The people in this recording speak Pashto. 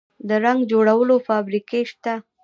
د رنګ جوړولو فابریکې شته